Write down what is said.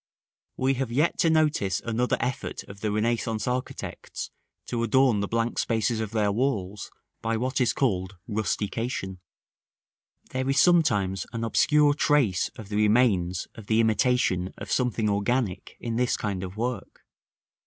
§ V. We have yet to notice another effort of the Renaissance architects to adorn the blank spaces of their walls by what is called Rustication. There is sometimes an obscure trace of the remains of the imitation of something organic in this kind of work.